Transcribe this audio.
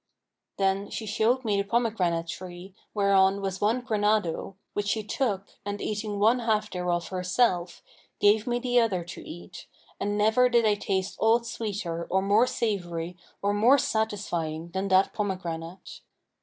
'" Then she showed me the pomegranate tree, whereon was one granado, which she took and eating one half thereof herself, gave me the other to eat, and never did I taste aught sweeter or more savoury or more satisfying than that pomegranate.